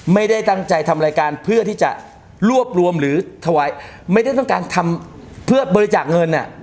ไม่ได้ตั้งใจทำรายการเพื่อที่จะรวบรวมหรือถวายไม่ได้ต้องการทำเพื่อบริจาคเงินอ่ะ